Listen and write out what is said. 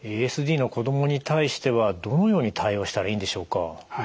ＡＳＤの子どもに対してはどのように対応したらいいんでしょうか？